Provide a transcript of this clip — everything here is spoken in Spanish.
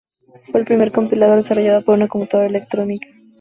Fue el primer compilador desarrollado para una computadora electrónica.